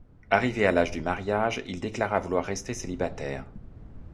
Arrivé à l’âge du mariage, il déclara vouloir rester célibataire.